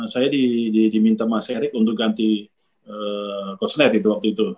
dua ribu empat saya diminta mas erick untuk ganti coach nath itu waktu itu